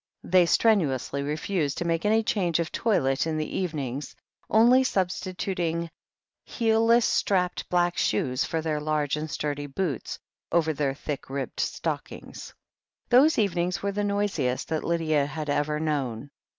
They strenuously refused to make any change of toilette in the evenings, only substituting heelless strapped black shoes for their large and sturdy boots, over their thick ribbed stockings. Those evenings were the noisiest that Lydia had ever known.